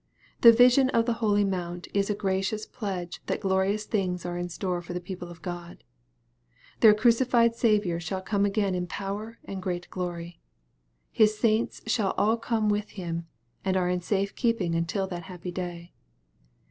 The vision of the holy mount is a gracious pledge that glorious things are in store for the people of God. Their crucified Saviour shall come again in power and great glory. His saints shall all come with Him, and are in safe keeping until that happy day.